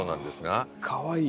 あかわいい。